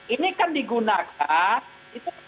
ini kan digunakan